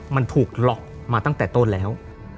มันถูกล็อกมาตั้งแต่ต้นแล้ว